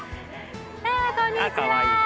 こんにちは。